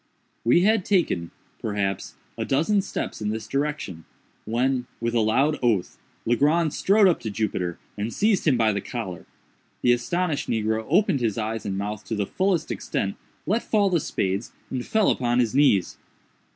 We had taken, perhaps, a dozen steps in this direction, when, with a loud oath, Legrand strode up to Jupiter, and seized him by the collar. The astonished negro opened his eyes and mouth to the fullest extent, let fall the spades, and fell upon his knees.